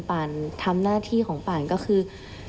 ป่านทำหน้าที่ของป่านก็คือ